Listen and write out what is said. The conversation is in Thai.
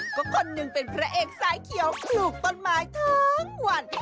ก็คนหนึ่งเป็นพระเอกสายเขียวปลูกต้นไม้ทั้งวัน